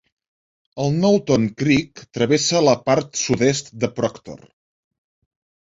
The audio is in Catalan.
El Knowlton Creek travessa la part sud-est de Proctor.